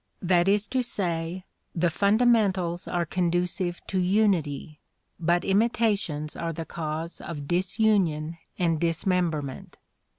That is to say, the fundamentals are conducive to unity, but imitations are the cause of disunion and dismemberment.